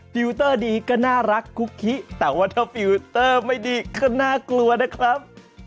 ฟิลเตอร์ดีก็น่ารักคุกคิแต่ว่าถ้าฟิลเตอร์ไม่ดีก็น่ากลัวนะครับ